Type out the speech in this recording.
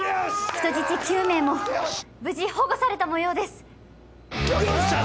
人質９名も無事保護されたもようですよっしゃ！